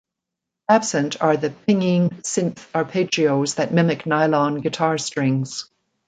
Absent are the pinging synth arpeggios that mimic nylon guitar strings.